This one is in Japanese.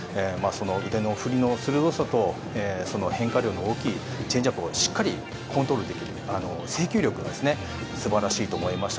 腕の振りの鋭さと変化量の大きいチェンジアップをしっかりコントロールできる制球力が素晴らしいと思いました。